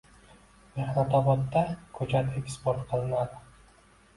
“Mehnatobod”da ko‘chat eksport qilinadi